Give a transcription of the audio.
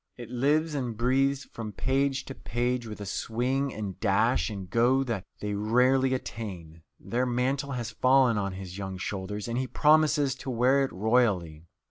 It lives and breathes from page to page with a swing and dash and go that they rarely attain. Their mantle has fallen on his young shoulders, and he promises to wear it royally.